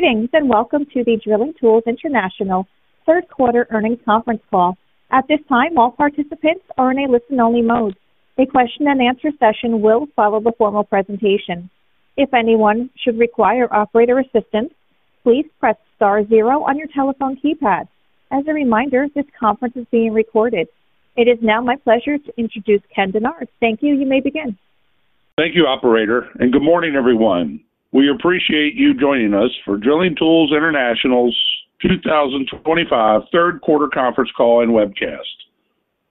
Greetings and welcome to the Drilling Tools International third quarter earnings conference call. At this time, all participants are in a listen-only mode. A question-and-answer session will follow the formal presentation. If anyone should require operator assistance, please press star zero on your telephone keypad. As a reminder, this conference is being recorded. It is now my pleasure to introduce Ken Dennard. Thank you. You may begin. Thank you, Operator. Good morning, everyone. We appreciate you joining us for Drilling Tools International's 2025 third quarter conference call and webcast.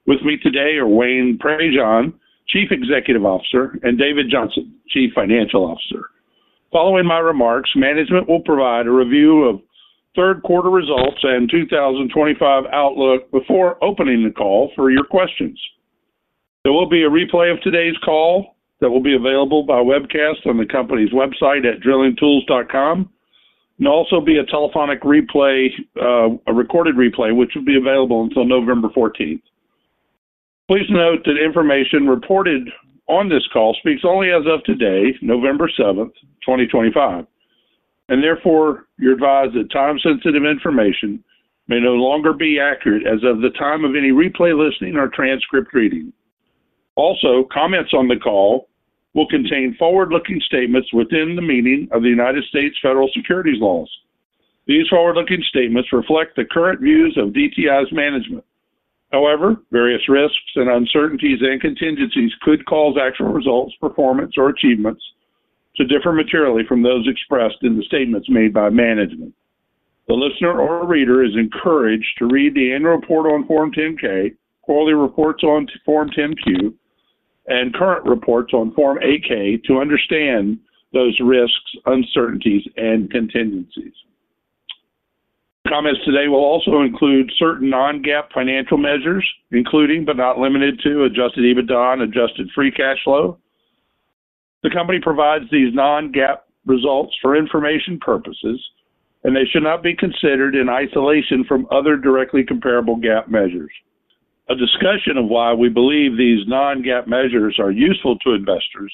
With me today are Wayne Prejean, Chief Executive Officer, and David Johnson, Chief Financial Officer. Following my remarks, management will provide a review of third quarter results and 2025 outlook before opening the call for your questions. There will be a replay of today's call that will be available by webcast on the company's website at drillingtools.com, and also a telephonic replay, a recorded replay, which will be available until November 14th. Please note that information reported on this call speaks only as of today, November 7th, 2025, and therefore you're advised that time-sensitive information may no longer be accurate as of the time of any replay listening or transcript reading. Also, comments on the call will contain forward-looking statements within the meaning of the United States Federal Securities Laws. These forward-looking statements reflect the current views of DTI's management. However, various risks and uncertainties and contingencies could cause actual results, performance, or achievements to differ materially from those expressed in the statements made by management. The listener or reader is encouraged to read the annual report on Form 10-K, quarterly reports on Form 10-Q, and current reports on Form 8-K to understand those risks, uncertainties, and contingencies. Comments today will also include certain non-GAAP financial measures, including but not limited to adjusted EBITDA and adjusted free cash flow. The company provides these non-GAAP results for information purposes, and they should not be considered in isolation from other directly comparable GAAP measures. A discussion of why we believe these non-GAAP measures are useful to investors,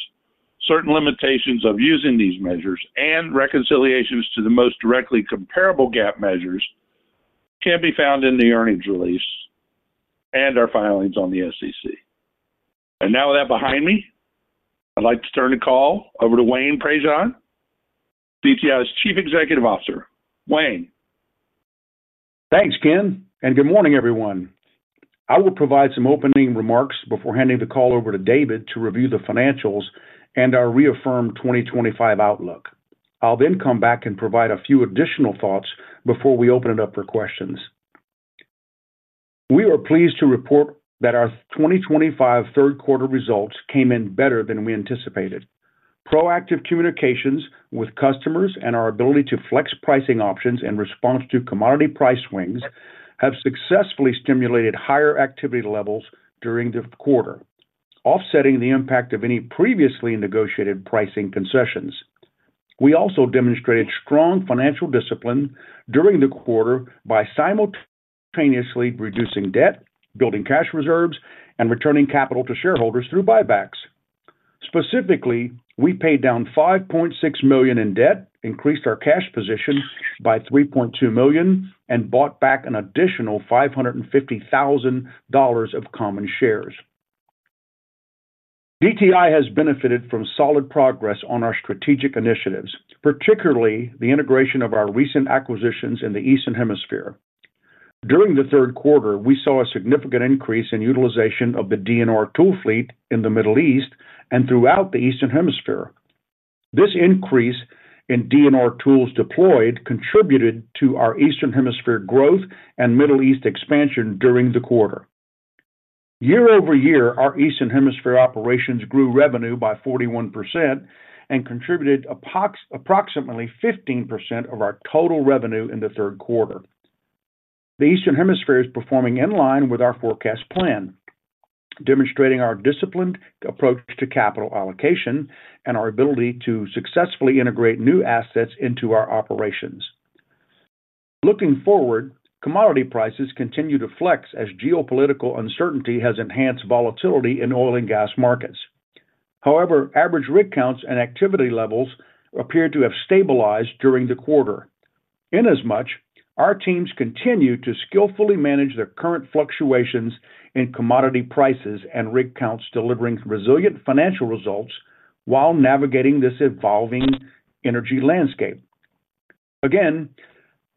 certain limitations of using these measures, and reconciliations to the most directly comparable GAAP measures can be found in the earnings release and our filings on the SEC. With that behind me, I'd like to turn the call over to Wayne Prejean, DTI's Chief Executive Officer. Wayne. Thanks, Ken, and good morning, everyone. I will provide some opening remarks before handing the call over to David to review the financials and our reaffirmed 2025 outlook. I'll then come back and provide a few additional thoughts before we open it up for questions. We are pleased to report that our 2025 third quarter results came in better than we anticipated. Proactive communications with customers and our ability to flex pricing options in response to commodity price swings have successfully stimulated higher activity levels during the quarter, offsetting the impact of any previously negotiated pricing concessions. We also demonstrated strong financial discipline during the quarter by simultaneously reducing debt, building cash reserves, and returning capital to shareholders through buybacks. Specifically, we paid down $5.6 million in debt, increased our cash position by $3.2 million, and bought back an additional $550,000 of common shares. DTI has benefited from solid progress on our strategic initiatives, particularly the integration of our recent acquisitions in the Eastern Hemisphere. During the third quarter, we saw a significant increase in utilization of the DNR tool fleet in the Middle East and throughout the Eastern Hemisphere. This increase in DNR tools deployed contributed to our Eastern Hemisphere growth and Middle East expansion during the quarter. Year-over-year, our Eastern Hemisphere operations grew revenue by 41% and contributed approximately 15% of our total revenue in the third quarter. The Eastern Hemisphere is performing in line with our forecast plan, demonstrating our disciplined approach to capital allocation and our ability to successfully integrate new assets into our operations. Looking forward, commodity prices continue to flex as geopolitical uncertainty has enhanced volatility in oil and gas markets. However, average rig counts and activity levels appear to have stabilized during the quarter. Inasmuch, our teams continue to skillfully manage their current fluctuations in commodity prices and rig counts, delivering resilient financial results while navigating this evolving energy landscape. Again,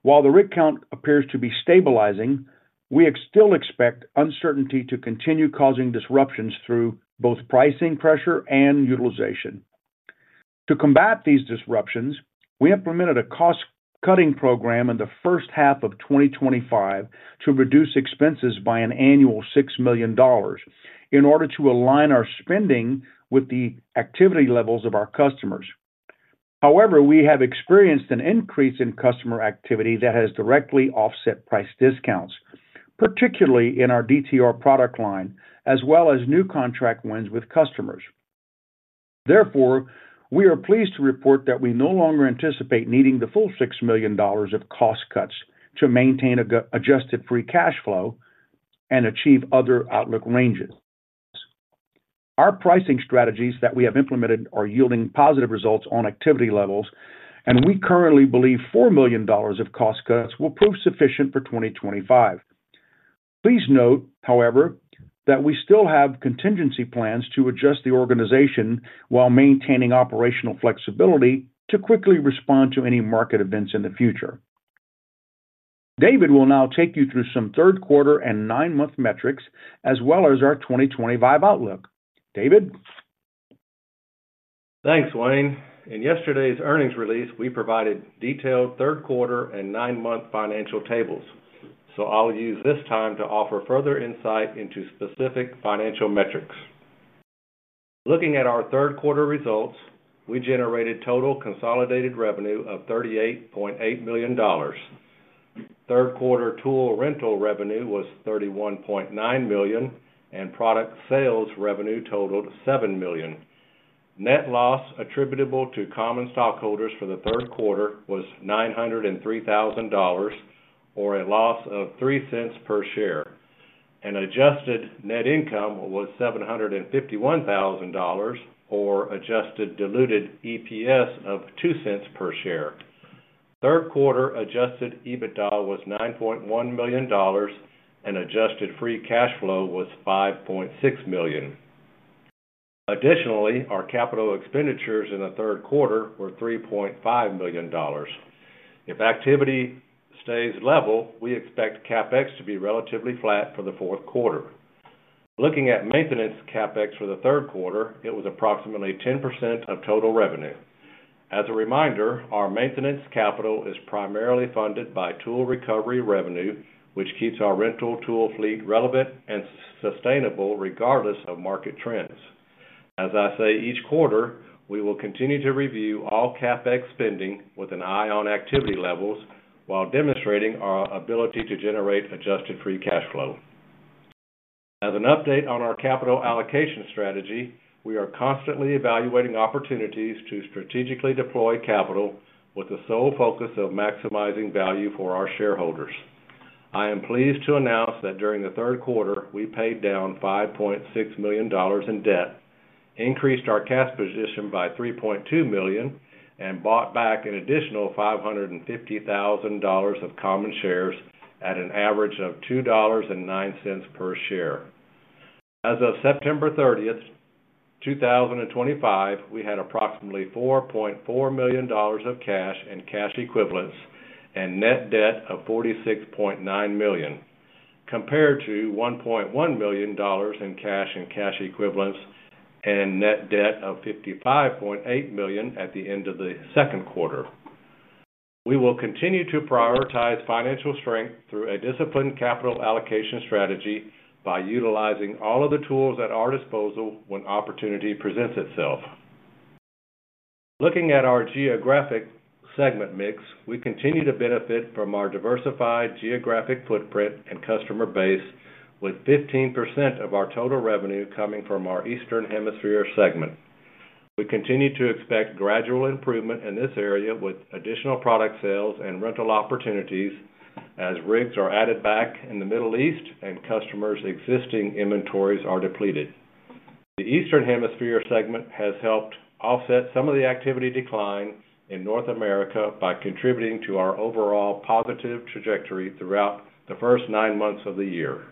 while the rig count appears to be stabilizing, we still expect uncertainty to continue causing disruptions through both pricing pressure and utilization. To combat these disruptions, we implemented a cost-cutting program in the first half of 2025 to reduce expenses by an annual $6 million in order to align our spending with the activity levels of our customers. However, we have experienced an increase in customer activity that has directly offset price discounts, particularly in our DTR product line, as well as new contract wins with customers. Therefore, we are pleased to report that we no longer anticipate needing the full $6 million of cost cuts to maintain adjusted free cash flow and achieve other outlook ranges. Our pricing strategies that we have implemented are yielding positive results on activity levels, and we currently believe $4 million of cost cuts will prove sufficient for 2025. Please note, however, that we still have contingency plans to adjust the organization while maintaining operational flexibility to quickly respond to any market events in the future. David will now take you through some third quarter and nine-month metrics, as well as our 2025 outlook. David. Thanks, Wayne. In yesterday's earnings release, we provided detailed third quarter and nine-month financial tables, so I'll use this time to offer further insight into specific financial metrics. Looking at our third quarter results, we generated total consolidated revenue of $38.8 million. Third quarter tool rental revenue was $31.9 million, and product sales revenue totaled $7 million. Net loss attributable to common stockholders for the third quarter was $903,000, or a loss of $0.03 per share. Adjusted net income was $751,000, or adjusted diluted EPS of $0.02 per share. Third quarter adjusted EBITDA was $9.1 million, and adjusted free cash flow was $5.6 million. Additionally, our capital expenditures in the third quarter were $3.5 million. If activity stays level, we expect CapEx to be relatively flat for the fourth quarter. Looking at maintenance CapEx for the third quarter, it was approximately 10% of total revenue. As a reminder, our maintenance capital is primarily funded by tool recovery revenue, which keeps our rental tool fleet relevant and sustainable regardless of market trends. As I say each quarter, we will continue to review all CapEx spending with an eye on activity levels while demonstrating our ability to generate adjusted free cash flow. As an update on our capital allocation strategy, we are constantly evaluating opportunities to strategically deploy capital with the sole focus of maximizing value for our shareholders. I am pleased to announce that during the third quarter, we paid down $5.6 million in debt, increased our cash position by $3.2 million, and bought back an additional $550,000 of common shares at an average of $2.09 per share. As of September 30th, 2025, we had approximately $4.4 million of cash and cash equivalents and net debt of $46.9 million, compared to $1.1 million in cash and cash equivalents and net debt of $55.8 million at the end of the second quarter. We will continue to prioritize financial strength through a disciplined capital allocation strategy by utilizing all of the tools at our disposal when opportunity presents itself. Looking at our geographic segment mix, we continue to benefit from our diversified geographic footprint and customer base, with 15% of our total revenue coming from our Eastern Hemisphere segment. We continue to expect gradual improvement in this area with additional product sales and rental opportunities as rigs are added back in the Middle East and customers' existing inventories are depleted. The Eastern Hemisphere segment has helped offset some of the activity decline in North America by contributing to our overall positive trajectory throughout the first nine months of the year.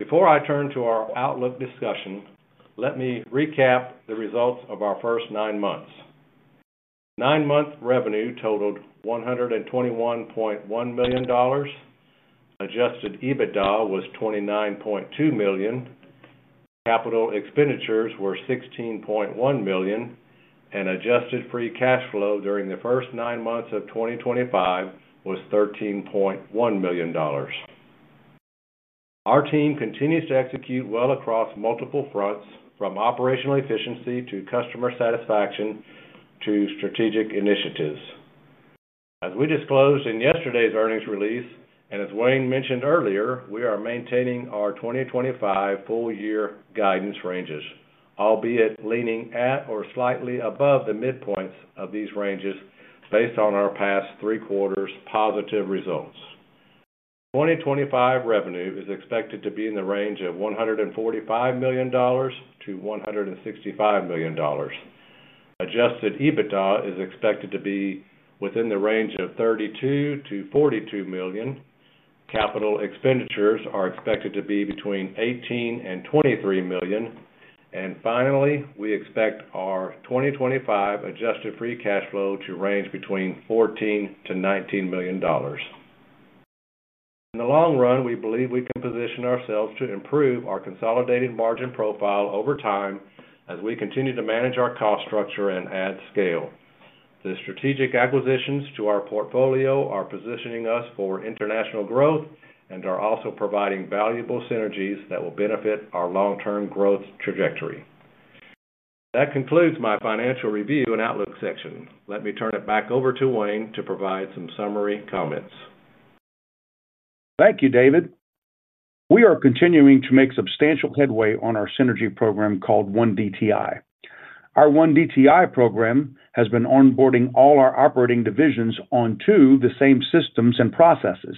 Before I turn to our outlook discussion, let me recap the results of our first nine months. Nine-month revenue totaled $121.1 million. Adjusted EBITDA was $29.2 million. Capital expenditures were $16.1 million, and adjusted free cash flow during the first nine months of 2025 was $13.1 million. Our team continues to execute well across multiple fronts, from operational efficiency to customer satisfaction to strategic initiatives. As we disclosed in yesterday's earnings release, and as Wayne mentioned earlier, we are maintaining our 2025 full-year guidance ranges, albeit leaning at or slightly above the midpoints of these ranges based on our past three quarters' positive results. 2025 revenue is expected to be in the range of $145 million-$165 million. Adjusted EBITDA is expected to be within the range of $32 million-$42 million. Capital expenditures are expected to be between $18 million-$23 million. Finally, we expect our 2025 adjusted free cash flow to range between $14 million-$19 million. In the long run, we believe we can position ourselves to improve our consolidated margin profile over time as we continue to manage our cost structure and add scale. The strategic acquisitions to our portfolio are positioning us for international growth and are also providing valuable synergies that will benefit our long-term growth trajectory. That concludes my financial review and outlook section. Let me turn it back over to Wayne to provide some summary comments. Thank you, David. We are continuing to make substantial headway on our synergy program called OneDTI. Our OneDTI program has been onboarding all our operating divisions onto the same systems and processes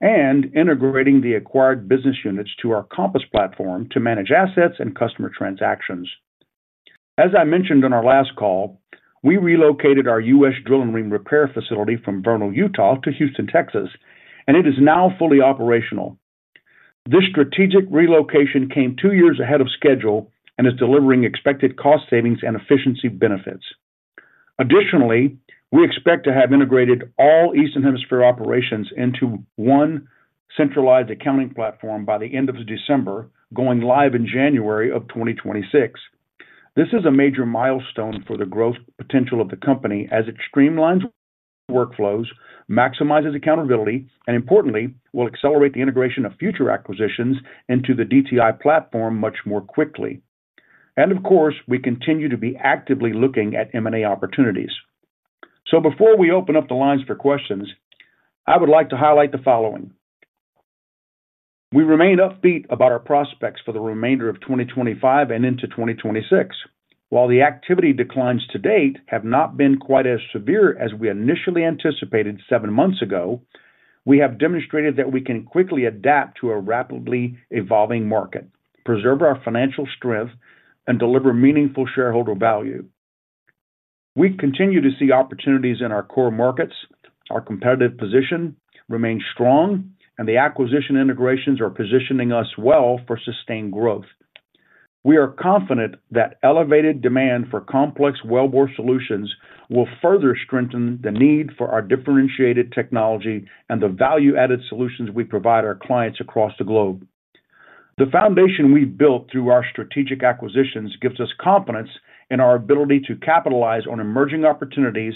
and integrating the acquired business units to our Compass platform to manage assets and customer transactions. As I mentioned in our last call, we relocated our U.S. drilling repair facility from Vernal, Utah, to Houston, Texas, and it is now fully operational. This strategic relocation came two years ahead of schedule and is delivering expected cost savings and efficiency benefits. Additionally, we expect to have integrated all Eastern Hemisphere operations into one centralized accounting platform by the end of December, going live in January of 2026. This is a major milestone for the growth potential of the company as it streamlines workflows, maximizes accountability, and, importantly, will accelerate the integration of future acquisitions into the DTI platform much more quickly. Of course, we continue to be actively looking at M&A opportunities. Before we open up the lines for questions, I would like to highlight the following. We remain upbeat about our prospects for the remainder of 2025 and into 2026. While the activity declines to date have not been quite as severe as we initially anticipated seven months ago, we have demonstrated that we can quickly adapt to a rapidly evolving market, preserve our financial strength, and deliver meaningful shareholder value. We continue to see opportunities in our core markets. Our competitive position remains strong, and the acquisition integrations are positioning us well for sustained growth. We are confident that elevated demand for complex, well-bore solutions will further strengthen the need for our differentiated technology and the value-added solutions we provide our clients across the globe. The foundation we have built through our strategic acquisitions gives us confidence in our ability to capitalize on emerging opportunities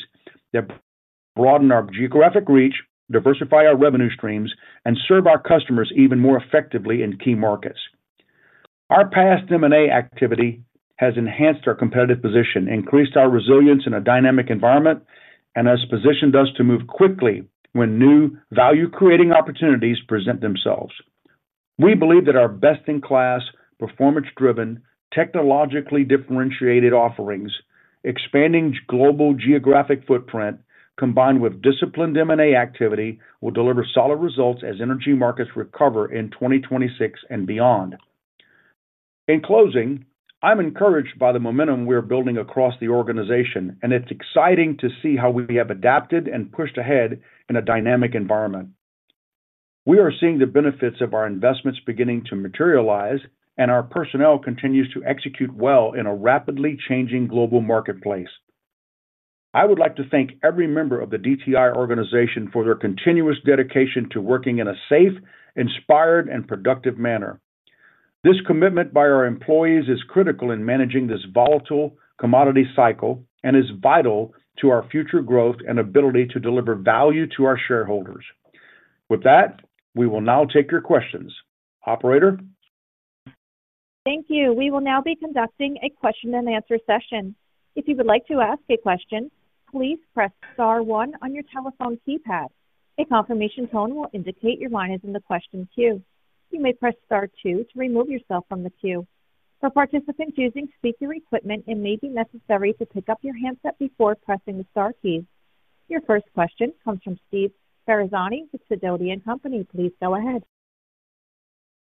that broaden our geographic reach, diversify our revenue streams, and serve our customers even more effectively in key markets. Our past M&A activity has enhanced our competitive position, increased our resilience in a dynamic environment, and has positioned us to move quickly when new value-creating opportunities present themselves. We believe that our best-in-class, performance-driven, technologically differentiated offerings, expanding global geographic footprint, combined with disciplined M&A activity, will deliver solid results as energy markets recover in 2026 and beyond. In closing, I'm encouraged by the momentum we're building across the organization, and it's exciting to see how we have adapted and pushed ahead in a dynamic environment. We are seeing the benefits of our investments beginning to materialize, and our personnel continue to execute well in a rapidly changing global marketplace. I would like to thank every member of the DTI organization for their continuous dedication to working in a safe, inspired, and productive manner. This commitment by our employees is critical in managing this volatile commodity cycle and is vital to our future growth and ability to deliver value to our shareholders. With that, we will now take your questions. Operator? Thank you. We will now be conducting a question-and-answer session. If you would like to ask a question, please press star one on your telephone keypad. A confirmation tone will indicate your line is in the question queue. You may press star two to remove yourself from the queue. For participants using speaker equipment, it may be necessary to pick up your handset before pressing the star keys. Your first question comes from Steve Ferazani with Sidoti & Company. Please go ahead.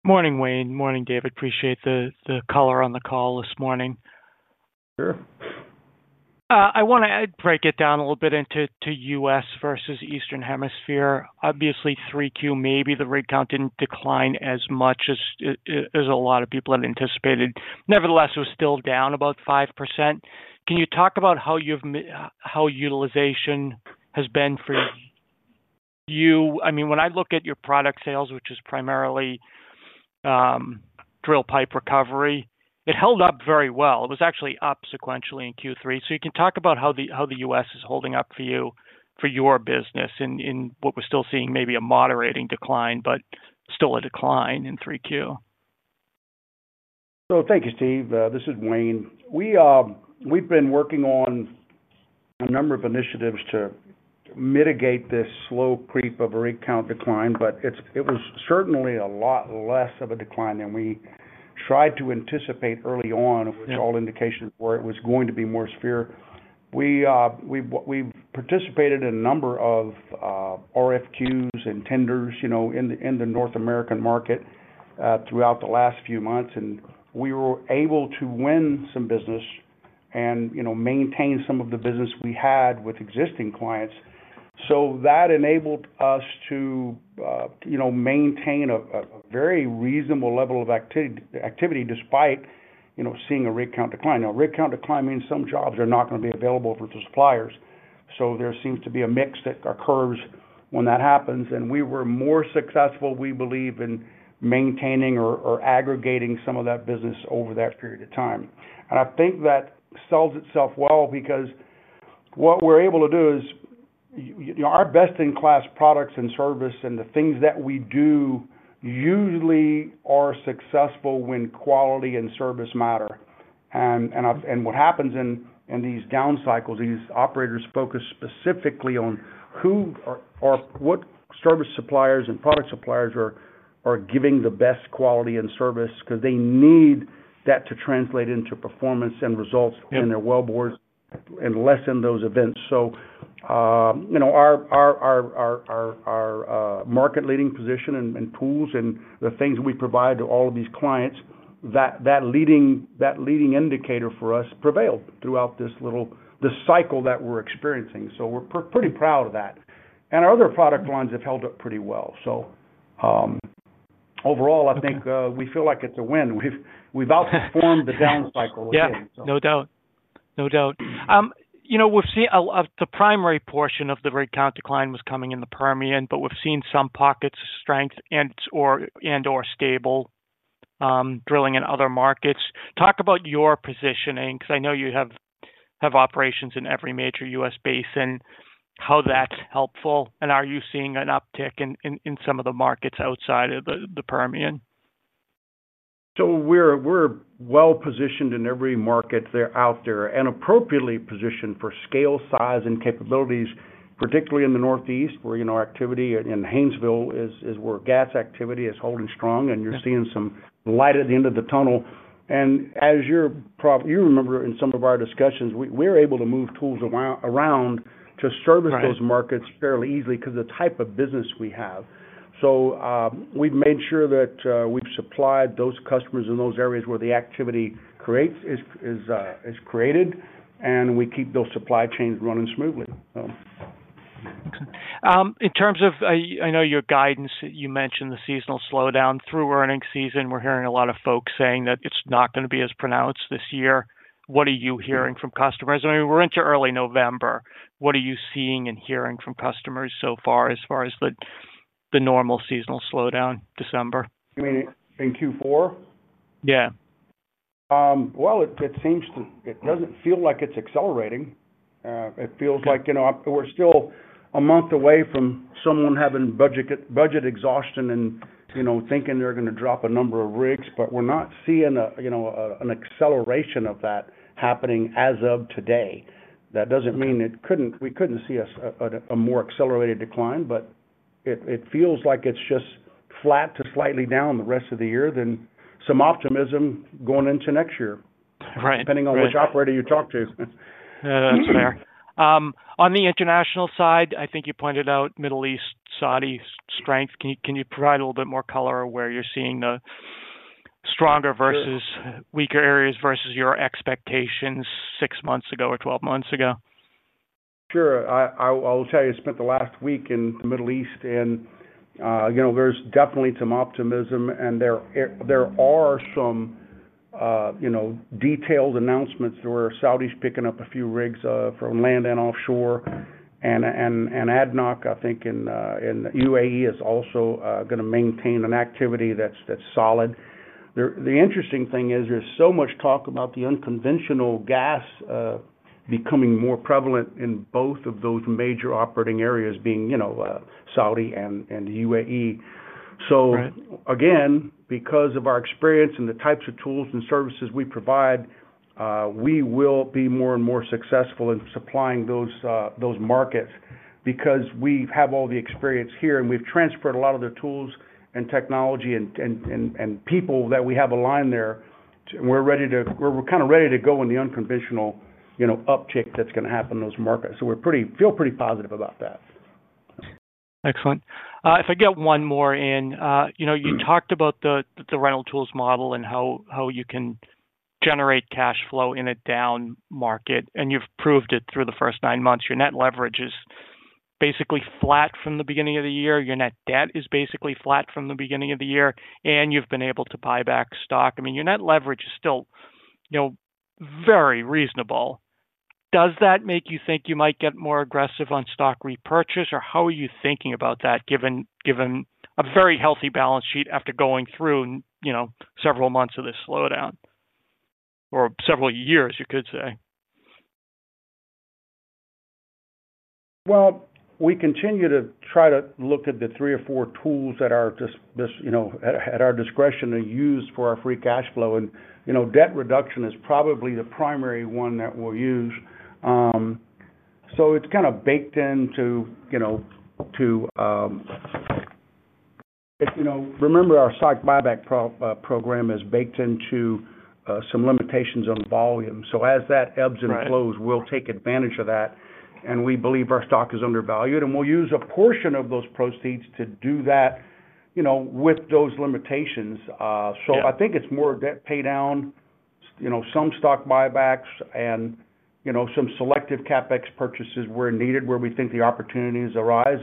Morning, Wayne. Morning, David. Appreciate the color on the call this morning. Sure. I want to break it down a little bit into U.S. versus Eastern Hemisphere. Obviously, Q3, maybe the rig count did not decline as much as a lot of people had anticipated. Nevertheless, it was still down about 5%. Can you talk about how utilization has been for you? I mean, when I look at your product sales, which is primarily drill pipe recovery, it held up very well. It was actually up sequentially in Q3. So you can talk about how the U.S. is holding up for you, for your business, in what we are still seeing maybe a moderating decline, but still a decline in Q3. Thank you, Steve. This is Wayne. We've been working on a number of initiatives to mitigate this slow creep of a rig count decline, but it was certainly a lot less of a decline than we tried to anticipate early on, which all indications were it was going to be more severe. We've participated in a number of RFQs and tenders in the North American market throughout the last few months, and we were able to win some business and maintain some of the business we had with existing clients. That enabled us to maintain a very reasonable level of activity despite seeing a rig count decline. Now, rig count decline means some jobs are not going to be available for suppliers. There seems to be a mix that occurs when that happens. We were more successful, we believe, in maintaining or aggregating some of that business over that period of time. I think that sells itself well because what we're able to do is our best-in-class products and service and the things that we do usually are successful when quality and service matter. What happens in these down cycles, these operators focus specifically on who or what service suppliers and product suppliers are giving the best quality and service because they need that to translate into performance and results in their wellbores and lessen those events. Our market-leading position and tools and the things we provide to all of these clients, that leading indicator for us prevailed throughout this cycle that we're experiencing. We're pretty proud of that. Our other product lines have held up pretty well. Overall, I think we feel like it's a win. We've outperformed the down cycle again. Yeah. No doubt. No doubt. The primary portion of the rig count decline was coming in the Permian, but we've seen some pockets of strength and/or stable drilling in other markets. Talk about your positioning because I know you have operations in every major U.S. basin. How's that helpful? Are you seeing an uptick in some of the markets outside of the Permian? We're well-positioned in every market out there and appropriately positioned for scale, size, and capabilities, particularly in the Northeast, where activity in Haynesville is where gas activity is holding strong, and you're seeing some light at the end of the tunnel. As you remember in some of our discussions, we're able to move tools around to service those markets fairly easily because of the type of business we have. We've made sure that we've supplied those customers in those areas where the activity is created, and we keep those supply chains running smoothly. Excellent. In terms of, I know your guidance, you mentioned the seasonal slowdown through earning season. We're hearing a lot of folks saying that it's not going to be as pronounced this year. What are you hearing from customers? I mean, we're into early November. What are you seeing and hearing from customers so far as far as the normal seasonal slowdown, December? You mean in Q4? Yeah. It doesn't feel like it's accelerating. It feels like we're still a month away from someone having budget exhaustion and thinking they're going to drop a number of rigs, but we're not seeing an acceleration of that happening as of today. That doesn't mean we couldn't see a more accelerated decline, but it feels like it's just flat to slightly down the rest of the year than some optimism going into next year, depending on which operator you talk to. That's fair. On the international side, I think you pointed out Middle East, Saudi strength. Can you provide a little bit more color of where you're seeing the stronger versus weaker areas versus your expectations six months ago or 12 months ago? Sure. I will tell you, I spent the last week in the Middle East, and there's definitely some optimism, and there are some detailed announcements where Saudi's picking up a few rigs from land and offshore. ADNOC, I think, and UAE is also going to maintain an activity that's solid. The interesting thing is there's so much talk about the unconventional gas becoming more prevalent in both of those major operating areas being Saudi and UAE. Again, because of our experience and the types of tools and services we provide, we will be more and more successful in supplying those markets because we have all the experience here, and we've transferred a lot of the tools and technology and people that we have aligned there, and we're kind of ready to go in the unconventional uptick that's going to happen in those markets. We feel pretty positive about that. Excellent. If I get one more in, you talked about the rental tools model and how you can generate cash flow in a down market, and you've proved it through the first nine months. Your net leverage is basically flat from the beginning of the year. Your net debt is basically flat from the beginning of the year, and you've been able to buy back stock. I mean, your net leverage is still very reasonable. Does that make you think you might get more aggressive on stock repurchase, or how are you thinking about that given a very healthy balance sheet after going through several months of this slowdown or several years, you could say? We continue to try to look at the three or four tools that are at our discretion and use for our free cash flow, and debt reduction is probably the primary one that we'll use. It is kind of baked into remember our stock buyback program is baked into some limitations on volume. As that ebbs and flows, we'll take advantage of that, and we believe our stock is undervalued, and we'll use a portion of those proceeds to do that with those limitations. I think it's more debt paydown, some stock buybacks, and some selective CapEx purchases where needed, where we think the opportunities arise.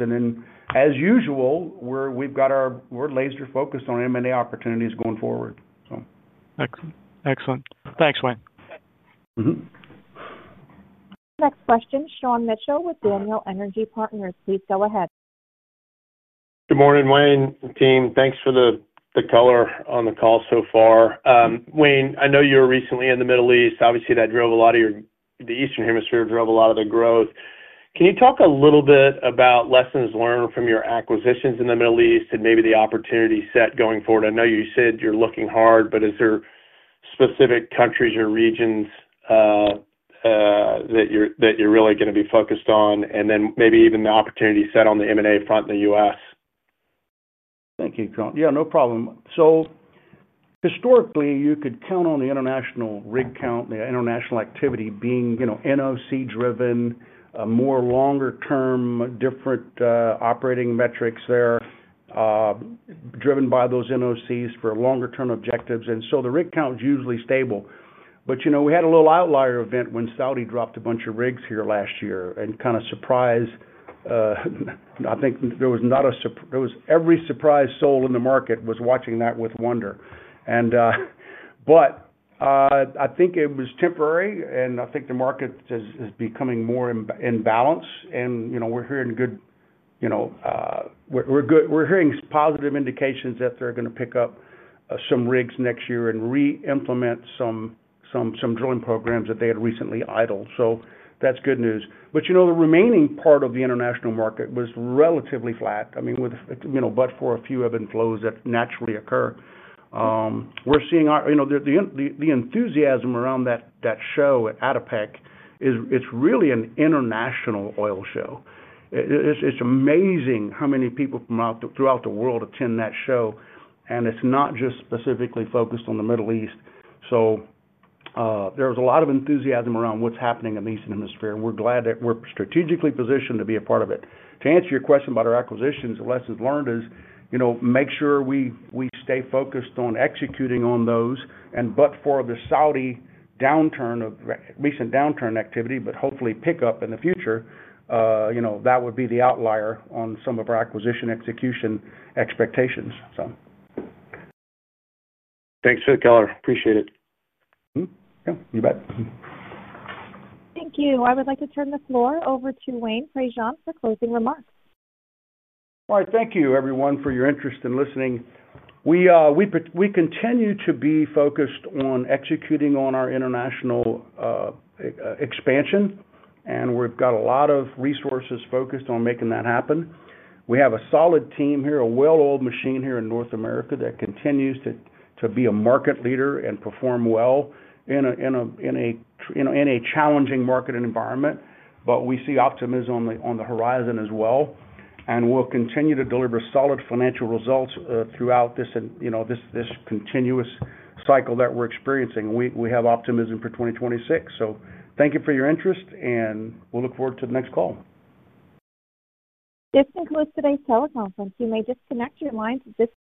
As usual, we're laser-focused on M&A opportunities going forward. Excellent. Excellent. Thanks, Wayne. Next question, Sean Mitchell with Daniel Energy Partners. Please go ahead. Good morning, Wayne and team. Thanks for the color on the call so far. Wayne, I know you were recently in the Middle East. Obviously, the Eastern Hemisphere drove a lot of the growth. Can you talk a little bit about lessons learned from your acquisitions in the Middle East and maybe the opportunity set going forward? I know you said you're looking hard, but is there specific countries or regions that you're really going to be focused on, and then maybe even the opportunity set on the M&A front in the U.S.? Thank you, Sean. Yeah, no problem. Historically, you could count on the international rig count, the international activity being NOC-driven, more longer-term, different operating metrics there, driven by those NOCs for longer-term objectives. The rig count is usually stable. We had a little outlier event when Saudi dropped a bunch of rigs here last year and kind of surprised. I think there was not a every surprise, everyone in the market was watching that with wonder. I think it was temporary, and I think the market is becoming more in balance, and we're hearing good, we're hearing positive indications that they're going to pick up some rigs next year and re-implement some drilling programs that they had recently idled. That is good news. The remaining part of the international market was relatively flat, I mean, but for a few ebb and flows that naturally occur. We're seeing the enthusiasm around that show at ADIPEC. It's really an international oil show. It's amazing how many people throughout the world attend that show, and it's not just specifically focused on the Middle East. There is a lot of enthusiasm around what's happening in the Eastern Hemisphere, and we're strategically positioned to be a part of it. To answer your question about our acquisitions, the lessons learned is make sure we stay focused on executing on those, for the Saudi recent downturn activity, but hopefully pick up in the future, that would be the outlier on some of our acquisition execution expectations. Thanks for the color. Appreciate it. Yeah. You bet. Thank you. I would like to turn the floor over to Wayne Prejean for closing remarks. All right. Thank you, everyone, for your interest in listening. We continue to be focused on executing on our international expansion, and we've got a lot of resources focused on making that happen. We have a solid team here, a well-oiled machine here in North America that continues to be a market leader and perform well in a challenging market environment, but we see optimism on the horizon as well. We will continue to deliver solid financial results throughout this continuous cycle that we're experiencing. We have optimism for 2026. Thank you for your interest, and we'll look forward to the next call. This concludes today's teleconference. You may disconnect your lines at this time.